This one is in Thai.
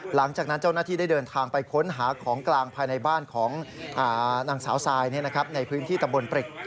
หลังจากนั้นเจ้าหน้าที่ได้เดินทางไปค้นหาของกลางภายในบ้านของนางสาวทรายในพื้นที่ตำบลปริก